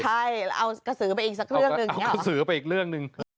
ใช่เอากระสือไปอีกสักเรื่องหนึ่งอย่างนี้เอากระสือไปอีกเรื่องหนึ่ง